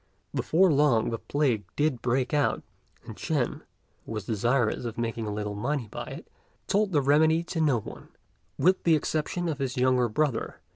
Before long the plague did break out; and Ch'ên, who was desirous of making a little money by it, told the remedy to no one, with the exception of his younger brother.